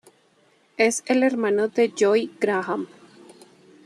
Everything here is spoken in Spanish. Es el hermano de Joey Graham.